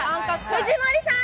藤森さん